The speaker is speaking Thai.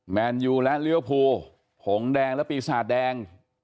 แมนยูและเลี้ยวภูผงแดงและปีศาจแดง